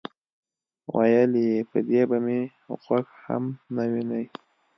ویل یې: په دې به مې غوږ هم نه وینئ.